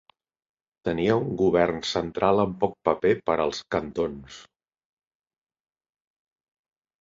Tenia un govern central amb poc paper per als cantons.